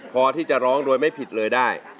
พอที่จะร้องโดยไม่ผิดเลยได้